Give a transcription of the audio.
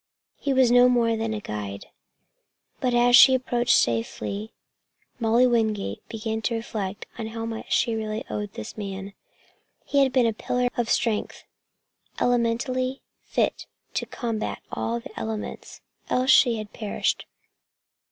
He was no more than guide. But as she approached safety Molly Wingate began to reflect how much she really owed this man. He had been a pillar of strength, elementally fit to combat all the elements, else she had perished.